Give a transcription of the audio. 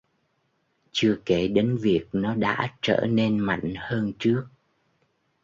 Chưa kể đến việc nó đã trở nên mạnh hơn trước